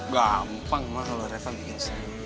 gampang banget loh reva bikin senyum